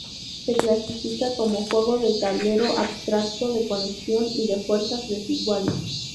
Se clasifica como juego de tablero abstracto, de conexión y de fuerzas desiguales.